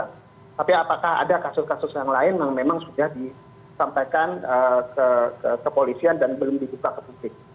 tapi apakah ada kasus kasus yang lain yang memang sudah disampaikan ke kepolisian dan belum dibuka ke publik